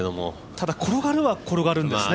ただ、転がるは転がるんですね。